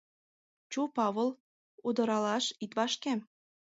— Чу, Павыл, удыралаш ит вашке!